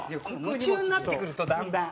夢中になってくるとだんだん。